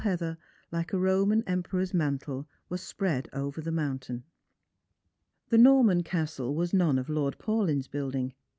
Jeather, like a Eoman Emperor's mantle, was spread over the ajountain. The Norman castle was none of Lord Paulyn's building.